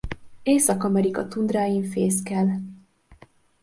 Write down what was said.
Észak-Amerika tundráin fészkel.